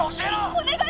お願い